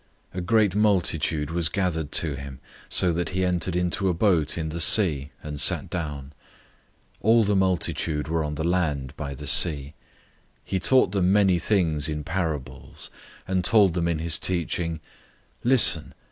A great multitude was gathered to him, so that he entered into a boat in the sea, and sat down. All the multitude were on the land by the sea. 004:002 He taught them many things in parables, and told them in his teaching, 004:003 "Listen!